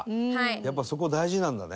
やっぱそこ大事なんだね。